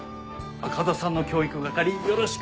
赤座さんの教育係よろしく！